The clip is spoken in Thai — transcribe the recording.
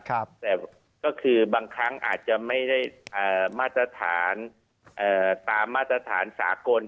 แต่ก็คือบางครั้งอาจจะไม่ได้มาตรฐานตามมาตรฐานสากล